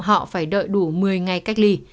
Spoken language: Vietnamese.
họ phải đợi đủ một mươi ngày cách ly